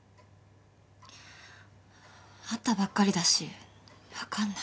会ったばっかりだしわかんない。